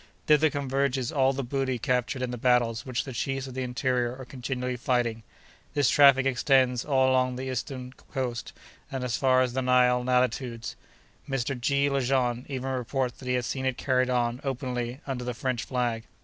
Thither converges all the booty captured in the battles which the chiefs of the interior are continually fighting. This traffic extends along the whole eastern coast, and as far as the Nile latitudes. Mr. G. Lejean even reports that he has seen it carried on, openly, under the French flag.